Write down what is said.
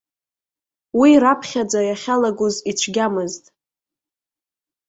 Уи раԥхьаӡа иахьалагоз ицәгьамызт.